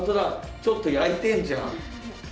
ちょっと焼いてんじゃん。